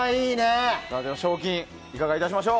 賞金、いかがいたしましょう。